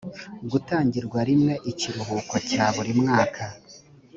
gutangirwa rimwe ikiruhuko cya buri mwaka